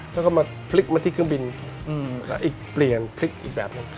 แล้วก็มาพลิกมาที่เครื่องบินแล้วอีกเปลี่ยนพลิกอีกแบบหนึ่ง